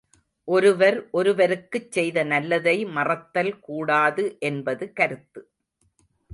ஒருவர் ஒருவருக்குச் செய்த நல்லதை மறத்தல் கூடாது என்பது கருத்து.